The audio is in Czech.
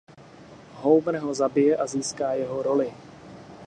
Homer ho zabije a získá jeho roli.